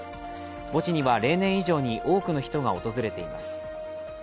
墓地には例年以上に多くの人が訪れています。